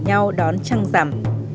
nhau đón trăng rằm